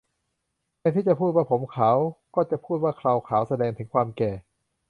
แทนที่จะพูดว่าผมขาว ก็จะพูดว่าเคราขาว แสดงถึงความแก่